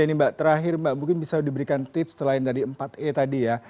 ini mbak terakhir mbak mungkin bisa diberikan tips selain dari empat e tadi ya